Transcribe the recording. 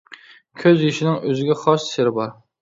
كۆز يېشىنىڭ ئۆزىگە خاس سىرى بار.